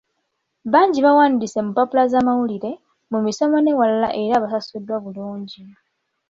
Bangi bawandiise mu mpapula z'amawulire, mu misomo n'ewalala era basasuddwa bulungi.